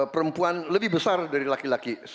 perempuan lebih besar dari laki laki